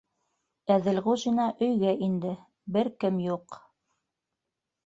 Әҙелғужина өйгә инде - бер кем юҡ.